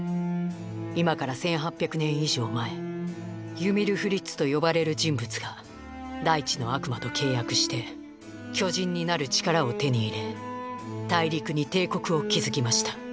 今から１，８００年以上前「ユミル・フリッツ」と呼ばれる人物が「大地の悪魔」と契約して巨人になる力を手に入れ大陸に帝国を築きました。